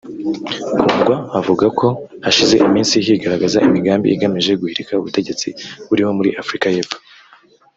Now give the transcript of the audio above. Kodwa avuga ko hashize iminsi higaragaza imigambi igamije guhirika ubutegetsi buriho muri Afurika y’Epfo